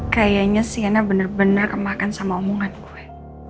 kayaknya siana benar benar kemakan sama omongan gue